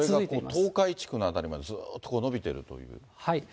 これが東海地方の辺りまでずーっとこう延びてるということ。